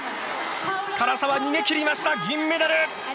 唐澤、逃げ切りました銀メダル！